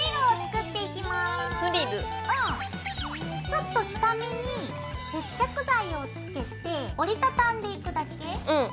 ちょっと下めに接着剤をつけて折り畳んでいくだけ。